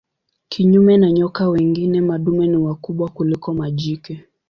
Kinyume na nyoka wengine madume ni wakubwa kuliko majike.